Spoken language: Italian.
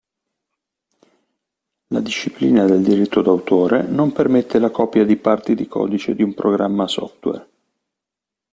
La disciplina del diritto d'autore non permette la copia di parti di codice di un programma software.